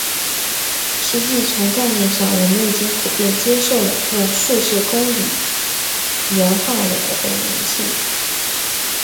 实际从概念上我们已经普遍接受了用数学公理量化了的偶然性。